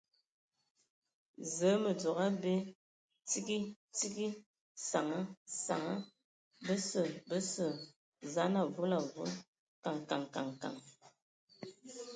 Zǝə, mǝ dzogo abe, tsigi tsigi, saŋa saŋa ! Bəsə, bəsə, zaan avol avol !... Kǝŋ Kǝŋ Kǝŋ Kǝŋ!